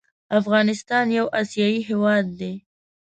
افغانستان يو اسياى هيواد دى